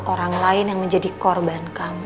orang lain yang menjadi korban kamu